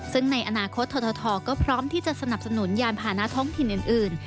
ซึ่งในอนาคตททก็พร้อมที่จะสนับสนุนยานพานะท้องถิ่นอื่น